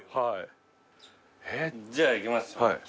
じゃあいきます。